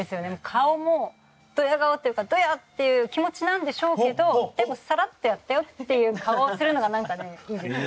顔もどや顔というかどやっていう気持ちなんでしょうけどさらっとやったよっていう顔をするのがいいんですよね。